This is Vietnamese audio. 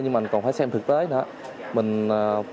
nhưng mà còn phải xem thực tế nữa